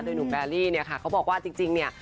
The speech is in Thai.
หนุ่มแบรี่เนี่ยค่ะเขาบอกว่าจริงเนี่ย